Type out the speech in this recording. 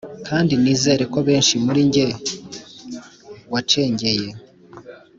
kandi nizere ko benshi muri njye wacengeye.